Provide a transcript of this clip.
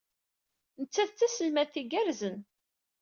Nettat d taselmadt igerrzen.